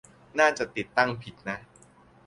น่าจะติดตั้งผิดนะ